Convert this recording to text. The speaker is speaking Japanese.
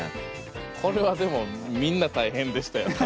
これはでもみんな大変でしたよね。